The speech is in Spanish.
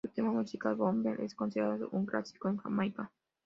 Su tema musical "Bomber" es considerado un clásico en Jamaica.